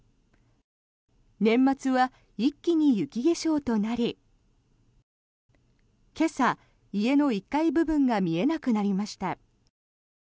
年末は一気に雪化粧となり今朝、家の１階部分が見えなくなりました。